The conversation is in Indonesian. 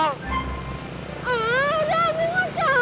oh udah minggu capek